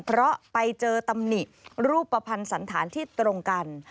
เพราะไปเจอตำหนิรูปภัณฑ์สันธารที่ตรงกัน